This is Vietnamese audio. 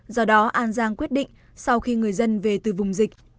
do đó an giang quyết định sau khi người dân về từ vùng dịch